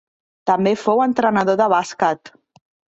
També fou entrenador de bàsquet.